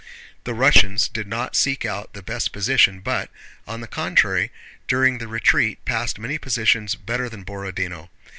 The Russians did not seek out the best position but, on the contrary, during the retreat passed many positions better than Borodinó.